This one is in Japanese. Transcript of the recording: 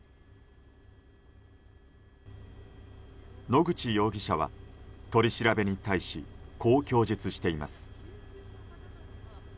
野口容疑者は取り調べに対しこう供述しています。